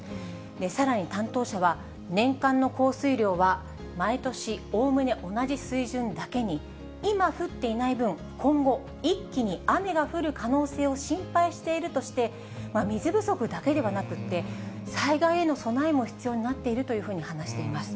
さらに担当者は、年間の降水量は毎年、おおむね同じ水準だけに、今降っていない分、今後、一気に雨が降る可能性を心配しているとして、水不足だけではなくって、災害への備えも必要になっているというふうに話しています。